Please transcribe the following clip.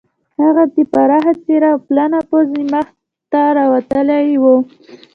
د هغه پراخه څیره او پلنه پوزه مخ ته راوتلې وه